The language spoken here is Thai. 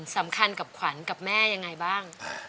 สำคัญกับขวัญกับแม่ยังไงบ้าง